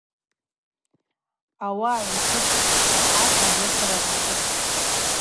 Ауаъа гӏвтыкӏ щахӏата йапырарцӏатӏ.